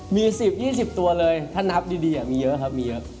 มีสิบเอ้ยสิบตัวเลยถ้านับดีอย่างน้อยเยอะครับ